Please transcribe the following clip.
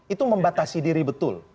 itu membatasi diri betul